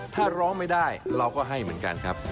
ถ้าร้องไม่ได้เราก็ให้เหมือนกันครับ